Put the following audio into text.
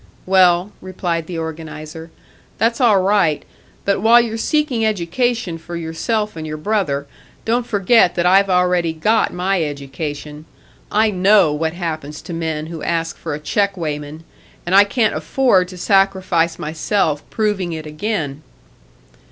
"Well," replied the organiser, "that's all right. But while you're seeking education for yourself and your brother, don't forget that I've already got my education. I know what happens to men who ask for a check weighman, and I can't afford to sacrifice myself proving it again."